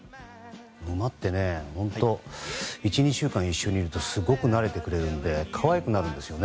馬って本当１２週間一緒にいると慣れてくれるので可愛くなるんです。